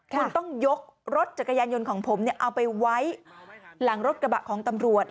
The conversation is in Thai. คุณต้องยกรถจักรยานยนต์ของผมเอาไปไว้หลังรถกระบะของตำรวจ